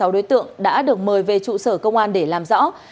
bảy mươi sáu đối tượng đã được mời về trụ sở công an để làm rõ